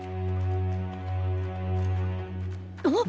あっ！